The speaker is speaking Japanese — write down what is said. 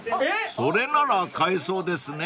［それなら買えそうですね］